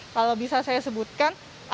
kalau bisa saya sebutkan